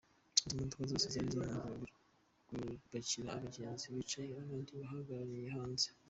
Izi modoka zose zari zamaze gupakira, abagenzi bicayemo abandi bihagarariye hanze.